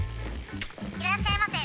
いらっしゃいませ。